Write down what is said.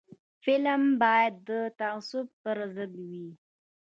فلم باید د تعصب پر ضد وي